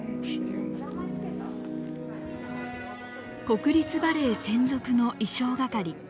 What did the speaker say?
国立バレエ専属の衣装係。